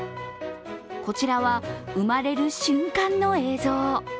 こちらは生まれる瞬間の映像。